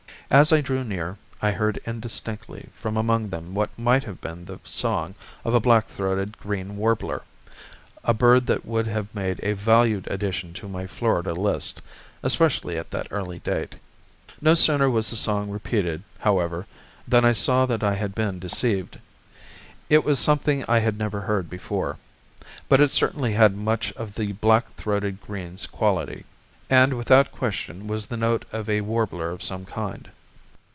As I drew near, I heard indistinctly from among them what might have been the song of a black throated green warbler, a bird that would have made a valued addition to my Florida list, especially at that early date. No sooner was the song repeated, however, than I saw that I had been deceived; it was something I had never heard before. But it certainly had much of the black throated green's quality, and without question was the note of a warbler of some kind.